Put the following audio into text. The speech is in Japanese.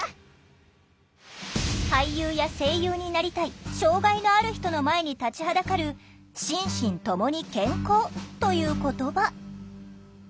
俳優や声優になりたい障害のある人の前に立ちはだかる「心身ともに健康」という言葉。